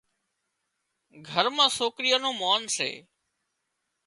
گھر مان سوڪريان نُون مانَ سي